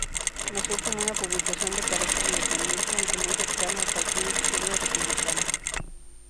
Nació como una publicación de carácter independiente, aunque muy cercana al partido Izquierda Republicana.